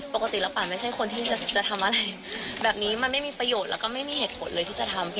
ปกติแล้วป่านไม่ใช่คนที่จะทำอะไรแบบนี้มันไม่มีประโยชน์แล้วก็ไม่มีเหตุผลเลยที่จะทำ